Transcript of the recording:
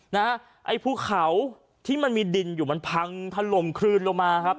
ไอ้ภูเขาที่มันมีดินอยู่มันพังถล่มคลืนลงมาครับ